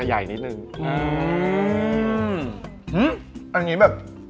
อันนี้แบบ